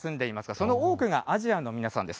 その多くがアジアの皆さんです。